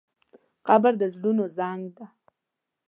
قبر د زړونو زنګ دی.